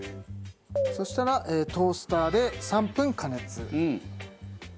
そしたらトースターで３分加熱。